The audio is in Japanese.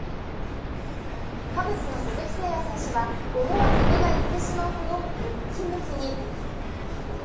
カブスの鈴木誠也選手は思わず目がいってしまうほどムキムキに。